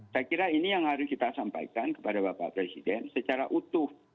saya kira ini yang harus kita sampaikan kepada bapak presiden secara utuh